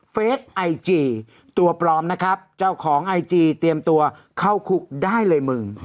เฟสไอจีตัวปลอมนะครับเจ้าของไอจีเตรียมตัวเข้าคุกได้เลยมึง